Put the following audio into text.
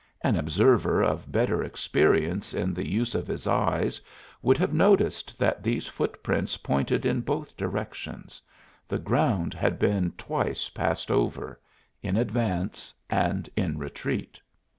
An observer of better experience in the use of his eyes would have noticed that these footprints pointed in both directions; the ground had been twice passed over in advance and in retreat.